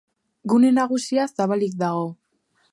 Gune nagusia zabalik dago.